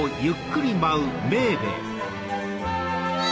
うわ！